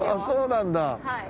そうなんだ。